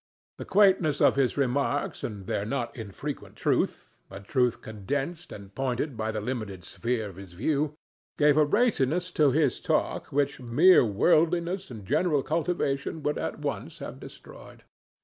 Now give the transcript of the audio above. The quaintness of his remarks and their not infrequent truth—a truth condensed and pointed by the limited sphere of his view—gave a raciness to his talk which mere worldliness and general cultivation would at once have destroyed.